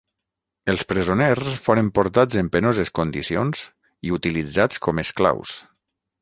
Els presoners foren portats en penoses condicions i utilitzats com esclaus.